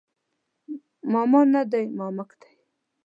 ماما نه دی مامک دی